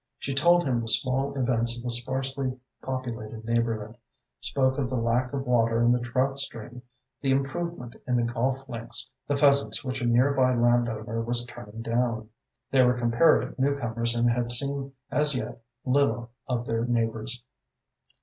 She told him the small events of the sparsely populated neighbourhood, spoke of the lack of water in the trout stream, the improvement in the golf links, the pheasants which a near by landowner was turning down. They were comparative newcomers and had seen as yet little of their neighbours.